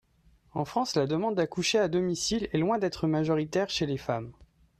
En France, la demande d’accoucher à domicile est loin d’être majoritaire chez les femmes.